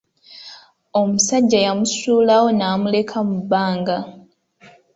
Omusajja yamusuulawo n’amuleka mu bbanga.